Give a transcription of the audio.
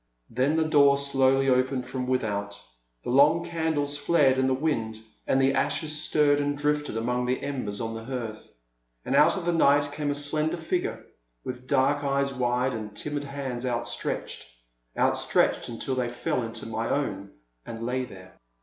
Then the door slowly opened from without, the long candles flared in the wind, and the ashes stirred and drifted among the embers on the hearth. And out of the night came a slender it ft ( 14 TAe Silent Land. 125 figure, with dark eyes wide, and timid liands outstretched — outstretched until they fell into my own and lay there.